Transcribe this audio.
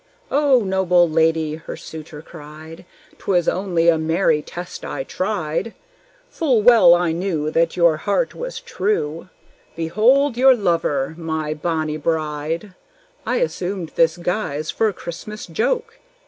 "O noble lady!" her suitor cried, "'Twas only a merry test I tried. Full well I knew That your heart was true. Behold your lover, my bonny bride! I assumed this guise for a Christmas joke."